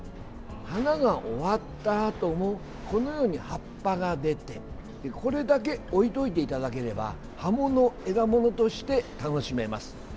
花が終わったあともこのように葉っぱが出てこれだけ置いといていただければ葉もの、枝ものとして楽しめます。